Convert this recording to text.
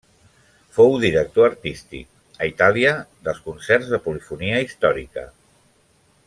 Fou director artístic, a Itàlia, dels concerts de polifonia històrica.